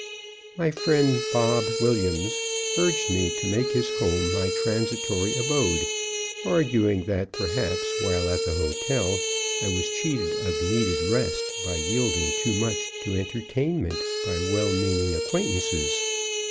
My friend Bob B urged me to make his home my transitory abode, arguing that perhaps while at the hotel I was cheated of needed rest by yielding too much to entertainment by well meaning acquaintances.